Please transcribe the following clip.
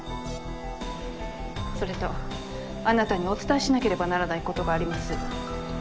それとあなたにお伝えしなければならないことがあります。